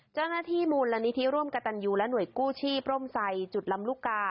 เจ้าหน้าที่มูลนิธิร่วมกับตันยูและหน่วยกู้ชีพร่มไซจุดลำลูกกา